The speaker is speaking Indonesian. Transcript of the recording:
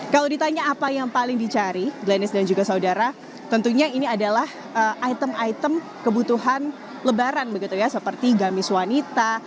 kalau ditanya apa yang paling dicari glennis dan juga saudara tentunya ini adalah item item kebutuhan lebaran begitu ya seperti gamis wanita